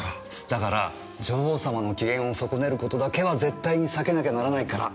だから女王様の機嫌を損ねる事だけは絶対に避けなきゃならないから。